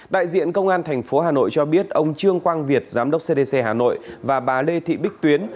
đại diện công an tp hà nội cho biết ông trương quang việt giám đốc cdc hà nội và bà lê thị bích tuyến